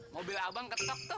mobil abang ketok tuh